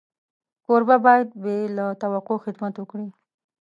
کوربه باید بې له توقع خدمت وکړي.